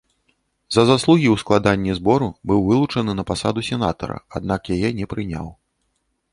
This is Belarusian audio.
За заслугі ў складанні збору быў вылучаны на пасаду сенатара, аднак яе не прыняў.